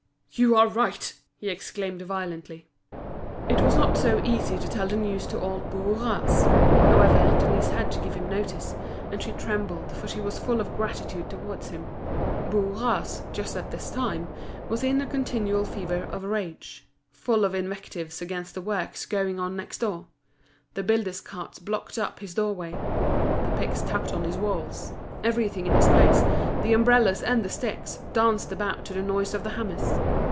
"You are right!" he exclaimed violently. It was not so easy to tell the news to old Bourras. However, Denise had to give him notice, and she trembled, for she was full of gratitude towards him. Bourras just at this time was in a continual fever of rage—full of invectives against the works going on next door. The builder's carts blocked up his doorway; the picks tapped on his walls; everything in his place, the umbrellas and the sticks, danced about to the noise of the hammers.